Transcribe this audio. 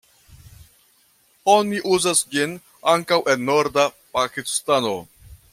Oni uzas ĝin ankaŭ en norda Pakistano.